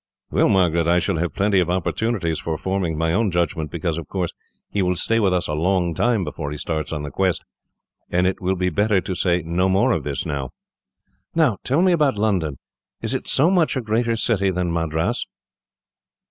"Well, Margaret, I shall have plenty of opportunities for forming my own judgment; because, of course, he will stay with us a long time before he starts on the quest, and it will be better to say no more of this, now. "Now, tell me about London. Is it so much a greater city than Madras?"